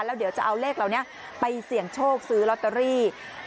แล้วเดี๋ยวจะเอาเลขเหล่านี้ไปเสี่ยงโชคซื้อลอตเตอรี่